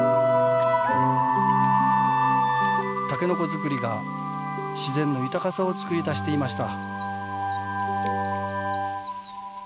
タケノコ作りが自然の豊かさを作り出していました。